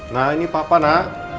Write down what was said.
nah ini papa nak